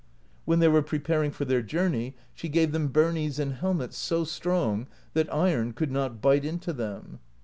When they were pre paring for their journey, she gave them birnies and helmets so strong that iron could not bite into them.